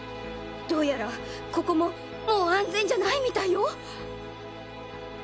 どうやらここももうあんぜんじゃないみたいよ。